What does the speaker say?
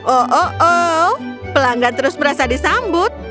oh oh pelanggan terus merasa disambut